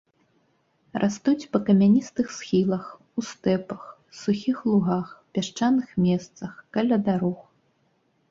Растуць па камяністых схілах, ў стэпах, сухім лугах, пясчаным месцах, каля дарог.